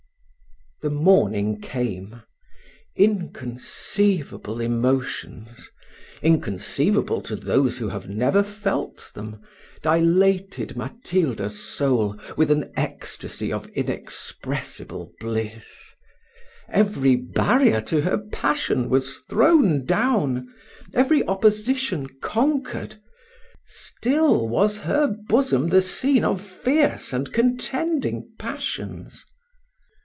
The morning came. Inconceivable emotions inconceivable to those who have never felt them dilated Matilda's soul with an ecstasy of inexpressible bliss: every barrier to her passion was thrown down every opposition conquered; still was her bosom the scene of fierce and contending passions.